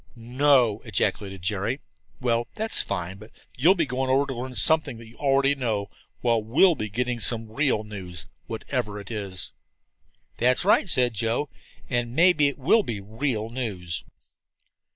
"No!" ejaculated Jerry. "Well, that's fine. But you'll be going over to learn something that you already know, while we'll be getting some real news, whatever it is." "That's right," said Joe. "And maybe it will be real news."